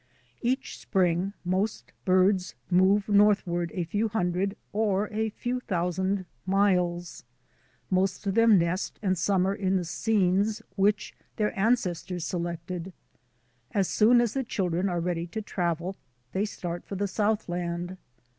Each spring most birds move northward a few hundred or a few thousand miles. Most of them nest and summer in the scenes which their ances tors selected. As soon as the children are ready to travel they start for the Southland.